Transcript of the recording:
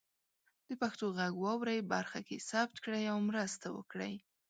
د پښتو غږ واورئ برخه کې ثبت کړئ او مرسته وکړئ.